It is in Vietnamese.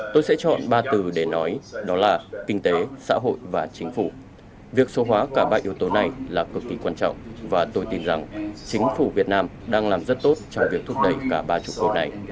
tôi sẽ chọn ba từ để nói đó là kinh tế xã hội và chính phủ việc số hóa cả ba yếu tố này là cực kỳ quan trọng và tôi tin rằng chính phủ việt nam đang làm rất tốt trong việc thúc đẩy cả ba trụ cột này